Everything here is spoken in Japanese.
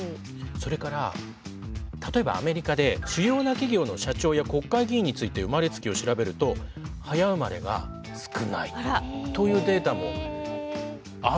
それから例えばアメリカで主要な企業の社長や国会議員について生まれ月を調べると早生まれが少ないというデータもあるんですよ。